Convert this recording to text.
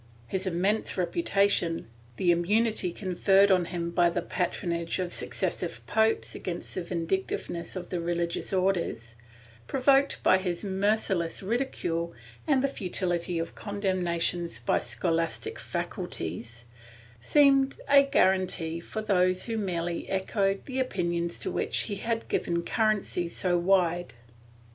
His immense reputation, the immunity conferred on him by the patron age of successive popes against the vindictiveness of the religious Orders, provoked by his merciless ridicule, and the futility of condemnations by scholastic faculties, seemed a guarantee for those who merely echoed the opinions to which he had given cur rency so wide.